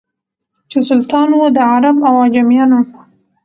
چي سلطان وو د عرب او عجمیانو